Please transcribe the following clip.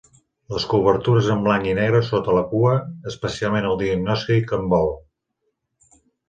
Les cobertures en blanc i negre sota la cua, especialment el diagnòstic en vol.